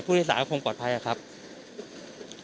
ผู้โดยศาสตร์ก็คงปลอดภัยอ่ะครับครับผมอย่างงั้นว่าผู้โดยศาสตร์น่าจะปลอดภัย